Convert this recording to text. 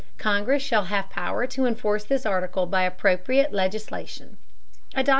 Congress shall have power to enforce this article by appropriate legislation.